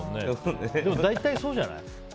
でも大体そうじゃない？